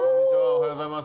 おはようございます。